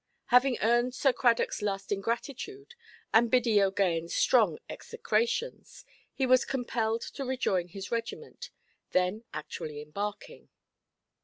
Having earned Sir Cradockʼs lasting gratitude, and Biddy OʼGaghanʼs strong execrations, he was compelled to rejoin his regiment, then actually embarking.